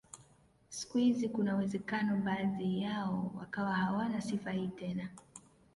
Siku hizi kuna uwezekano baadhi yao wakawa hawana sifa hii tena